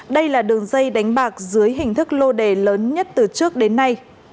đây là đường dây đánh bạc dưới hình thức lô đề lớn nhất từ trước đến nay